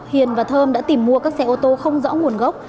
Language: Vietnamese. hiền và thơm đã tìm mua các xe ô tô không rõ nguồn gốc